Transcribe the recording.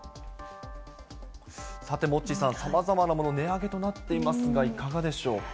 さてモッチーさん、さまざまなもの、値上げとなっていますが、いかがでしょう。